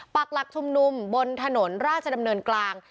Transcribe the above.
ปากหลักชุมนุมบนถนนราชดำเนินกลาง